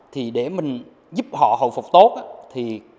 thì để mình giúp họ hậu phục tốt